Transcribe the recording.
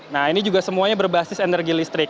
nah ini juga semuanya berbasis energi listrik